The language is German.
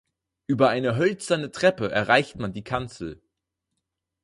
Über eine hölzerne Treppe erreicht man die Kanzel.